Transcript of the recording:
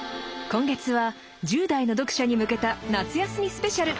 今月は１０代の読者に向けた夏休みスペシャル！